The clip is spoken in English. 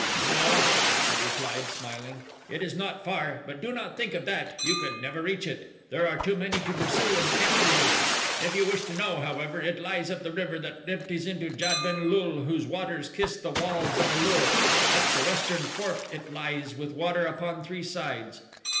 "No," he replied, smiling, "it is not far, but do not think of that you could never reach it. There are too many to pursue and capture you. If you wish to know, however, it lies up the river that empties into Jad ben lul whose waters kiss the walls of A lur up the western fork it lies with water upon three sides.